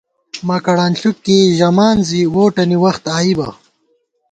مکَڑ انݪُک کېئی ژِمان زی ووٹَنی وخت آئی بہ